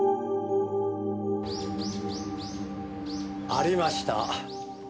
「」ありました。